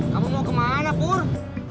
kamu mau kemana boor